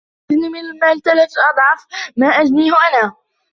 انه يجني من المال ثلاثة اضعاف ما اجنيه انا.